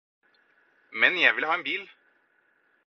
Men jeg vil ha en bil